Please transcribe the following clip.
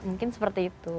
mungkin seperti itu